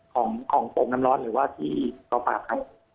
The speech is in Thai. ของโป่งน้ำร้อนหรือว่าที่กองปราบครับ